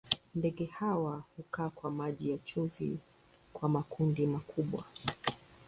Ndege hawa hukaa kwa maji ya chumvi kwa makundi makubwa.